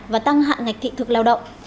và tăng hạng ngạch thị thực lao động